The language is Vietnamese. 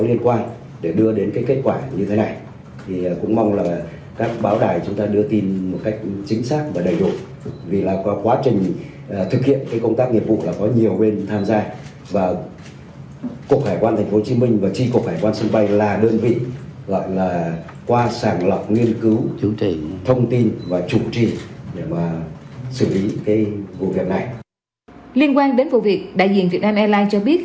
liên quan đến vụ việc đại diện việt nam airlines cho biết